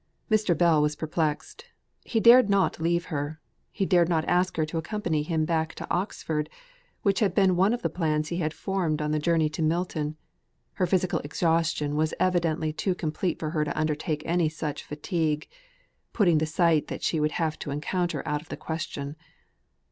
Mr. Bell was perplexed. He dared not leave her; he dared not ask her to accompany him back to Oxford, which had been one of the plans he had formed on the journey to Milton, her physical exhaustion was evidently too complete for her to undertake any such fatigue putting the sight that she would have to encounter out of the question.